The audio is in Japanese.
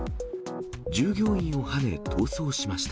従業員をはね、逃走しました。